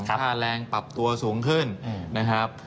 ค่าแรงปรับตัวสูงขึ้นนะครับ